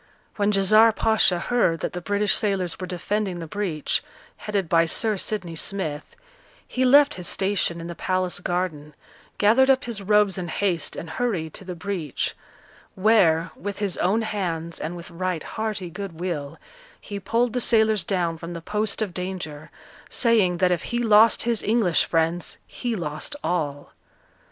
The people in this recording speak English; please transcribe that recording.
When Djezzar Pacha heard that the British sailors were defending the breach, headed by Sir Sidney Smith, he left his station in the palace garden, gathered up his robes in haste, and hurried to the breach; where, with his own hands, and with right hearty good will, he pulled the sailors down from the post of danger, saying that if he lost his English friends he lost all!